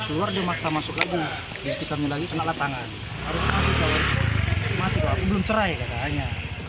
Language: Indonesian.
belum cerai katanya